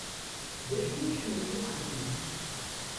D acu i tḥemmlem ad txedmem?